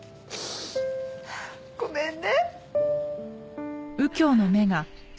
ごめんね。